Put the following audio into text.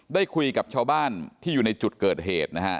ได้คุยกับชาวบ้านที่อยู่ในจุดเกิดเหตุนะฮะ